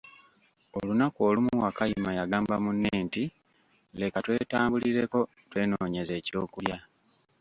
Olunaku olumu Wakayima y'agamba munne nti, leka twetambulireko twenonyeze eky'okulya.